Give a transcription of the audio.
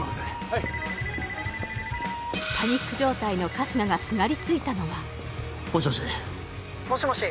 はいパニック状態の春日がすがりついたのはもしもし？